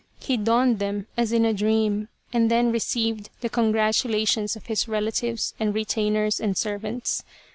He donned them as in a dream, and then received the congratulations of his relatives and re tainers and servants.